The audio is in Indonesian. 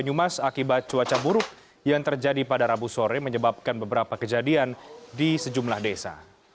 banyumas akibat cuaca buruk yang terjadi pada rabu sore menyebabkan beberapa kejadian di sejumlah desa